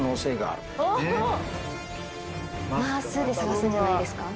「ます」で探すんじゃないですか？